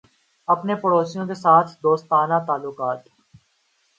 اپنے پڑوسیوں کے ساتھ دوستانہ تعلقات